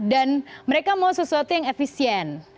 dan mereka mau sesuatu yang efisien